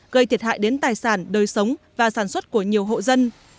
gây thiệt hại đến tài sản đời sống và sản xuất của nhiều hộ dân